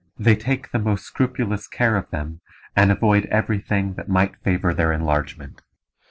They take the most scrupulous care of them, and avoid every thing that might favor their enlargement.